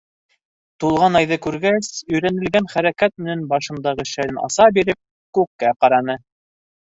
Тулған айҙы күргәс, өйрәнелгән хәрәкәт менән башындағы шәлен аса биреп, күккә ҡараны: